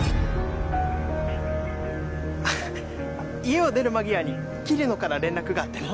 家を出る間際に桐野から連絡があってな